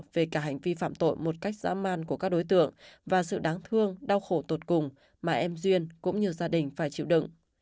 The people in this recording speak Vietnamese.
về cả hành vi phạm tội một cách dã man của các đối tượng và sự đáng thương đau khổ tột cùng mà em duyên cũng như gia đình phải chịu đựng